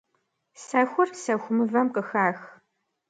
Сэхур сэху мывэм къыхах.